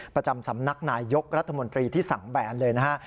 ประจำสำนักนายยกรัฐมนตรีที่สั่งแบนเลยนะฮะ